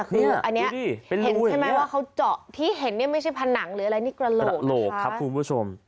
คืออันนี้ใช่ไหมนะจ๋าที่เห็นนี่ไม่ใช่ผนังหรืออะไรนี่กระโหลกค่ะคุณผู้ชม